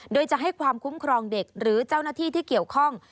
โดยจะให้ความคุ้มครองเด็กหรือเจ้าหน้าที่ที่เกี่ยวข้อง